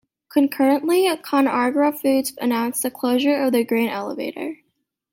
Concurrently, ConAgra Foods announced the closure of the grain elevator.